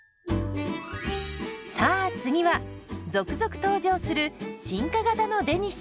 さあ次は続々登場する進化型のデニッシュ。